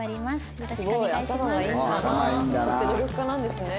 そして努力家なんですね。